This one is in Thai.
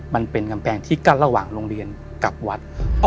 มันเป็นกำแพงที่กั้นระหว่างโรงเรียนกับวัด